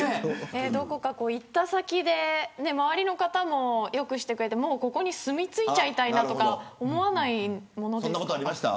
どこか行った先で周りの方もよくしてくれてここに住みついちゃいたいなと思わないものですか。